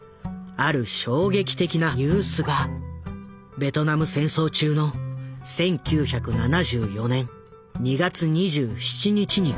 ある衝撃的なニュースがベトナム戦争中の１９７４年２月２７日に届いた。